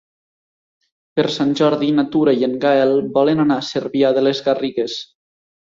Per Sant Jordi na Tura i en Gaël volen anar a Cervià de les Garrigues.